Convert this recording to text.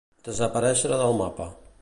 Desaparèixer del mapa.